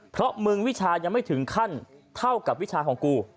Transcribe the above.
เพราะมึงวิชายังไม่ถึงขั้นเท่ากับวิชาของกู